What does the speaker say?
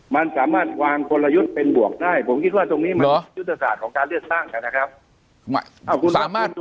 มันสามารถวางกลยุทธ์เป็นบวกได้ผมคิดว่าตรงนี้มันยุทธศาสตร์ของการเลือกตั้งนะครับ